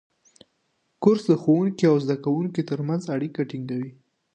کورس د استاد او شاګرد ترمنځ اړیکه ټینګوي.